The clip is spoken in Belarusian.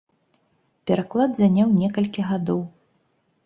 Пераклад заняў некалькі гадоў.